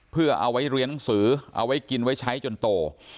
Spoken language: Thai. เพื่อเอาไว้เรียนหนังสือเอาไว้กินไว้ใช้จนโต